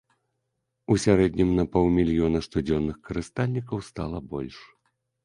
У сярэднім на паўмільёна штодзённых карыстальнікаў стала больш.